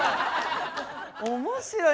面白い。